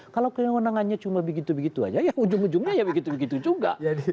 kalau kewenangannya cuma begitu begitu aja ya ujung ujungnya ya begitu begitu juga